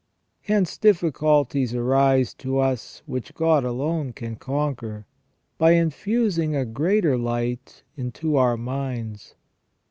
Hence difficulties arise to us which God alone can conquer, by infusing a greater light into our minds.